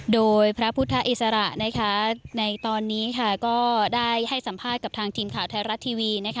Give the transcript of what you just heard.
โดยพระพุทธอิสระในตอนนี้ก็ได้ให้สัมภาษณ์กับทางทีมข่าวไทยรัฐทีวี